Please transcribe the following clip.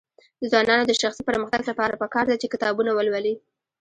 د ځوانانو د شخصي پرمختګ لپاره پکار ده چې کتابونه ولولي.